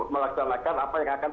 melaksanakan apa yang akan